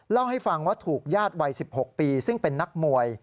เล่าให้ฟังว่าถูกญาติวัย๑๖ปีซึ่งเป็นนักมวย